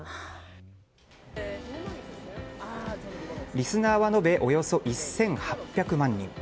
リスナーは延べおよそ１８００万人。